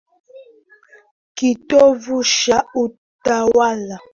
kitovu cha utawala kilirudi Uajemi wenyewe chini ya nasaba za